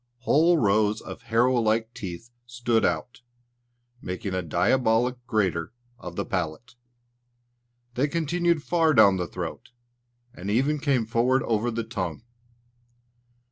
Whole rows of harrow like teeth stood out, making a diabolical grater of the palate. They continued far down the throat, and even came forward over the tongue.